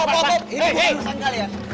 ini bukan perusahaan kalian